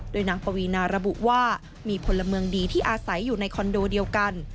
โดยนางปวีนาระบุว่ามีพลเมืองดีที่อาศัยอยู่ในคอนโดเดียวกัน